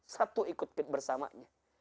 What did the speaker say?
satu ikut bersamanya